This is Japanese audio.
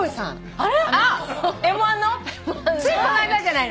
あれ。